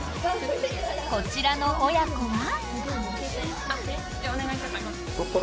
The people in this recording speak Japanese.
こちらの親子は？